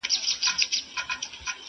نه یو غزله جانانه سته زه به چیري ځمه؛